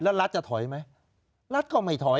แล้วรัฐจะถอยไหมรัฐก็ไม่ถอย